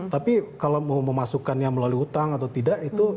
tapi kalau mau memasukkannya melalui hutang atau tidak itu